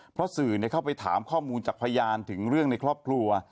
เพราะสื่อเข้าไปถามข้อมูลจากพยานถึงเรื่องในครอบครัว